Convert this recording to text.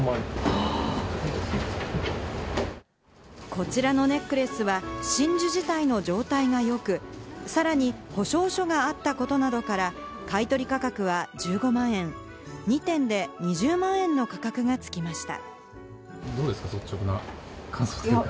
こちらのネックレスは真珠自体の状態がよく、さらに保証書があったことなどから、買い取り価格は１５万円、２点で２０万円の価格がつきました。